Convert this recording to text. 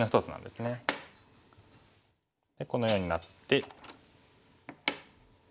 このようになって。